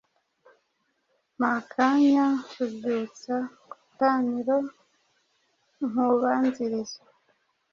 Mpakanya Rubyutsa kutaniro nkubanzirize